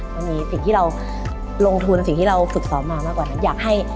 มันมีสิ่งที่เราลงทุนสิ่งที่เราฝึกซ้อมมามากกว่านั้นอยากให้